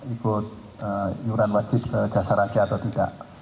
ikut yuran wajib ke jasar harja atau tidak